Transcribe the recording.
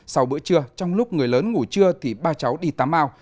sau bữa trưa trong lúc người lớn ngủ trưa thì ba cháu đi tắm ao